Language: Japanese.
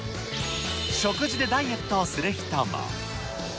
食事でダイエットをする人も。